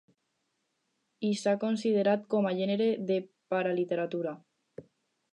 I s'ha considerat com a gènere de paraliteratura.